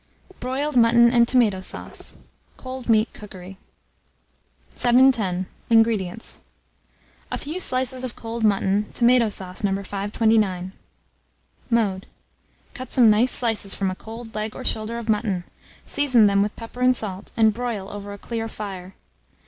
BROILED MUTTON AND TOMATO SAUCE (Cold Meat Cookery). 710. INGREDIENTS. A few slices of cold mutton, tomato sauce, No. 529. Mode. Cut some nice slices from a cold leg or shoulder of mutton; season them with pepper and salt, and broil over a clear fire.